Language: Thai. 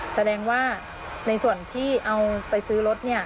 แสดงว่าในส่วนที่เอาไปซื้อรถ